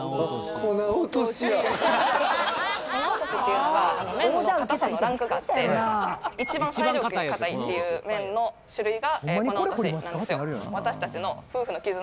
粉おとしっていうのが麺の硬さのランクがあって一番最上級に硬いっていう麺の種類が粉おとしなんですよ